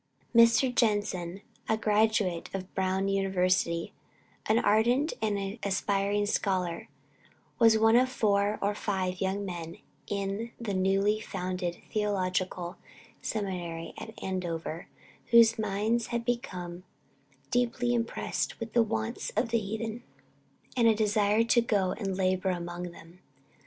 Mr. Judson, a graduate of Brown University, "an ardent and aspiring scholar," was one of four or five young men in the then newly founded Theological Seminary at Andover, whose minds had become deeply impressed with the wants of the heathen, and a desire to go and labor among them.